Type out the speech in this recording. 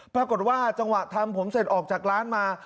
ปรากฏว่าจังหวะทำผมเสร็จออกจากร้านมา